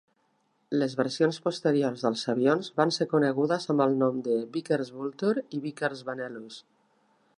Les versions posteriors dels avions van ser conegudes amb el nom de Vickers Vulture i Vickers Vanellus.